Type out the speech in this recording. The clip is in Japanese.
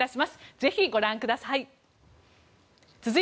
ぜひ、ご覧ください。